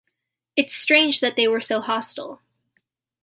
It's strange that they were so hostile.